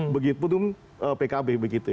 begitu pkb begitu